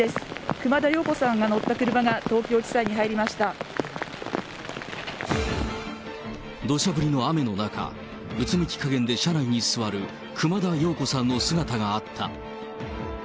熊田曜子さんが乗った車が、東京どしゃ降りの雨の中、うつむきかげんで車内に座る熊田曜子さんの姿があった。